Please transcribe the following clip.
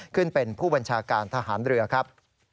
ขึ้นเป็นผู้บัญชาการทหารเรือครับ